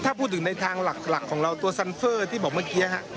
ถ้าพูดถึงในทางหลักของเราตัวซันเฟอร์ที่บอกเมื่อกี้ฮะ